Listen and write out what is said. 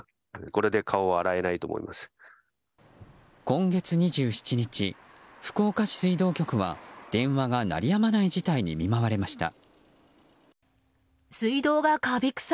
今月２７日、福岡市水道局は電話が鳴りやまない事態に見舞われました。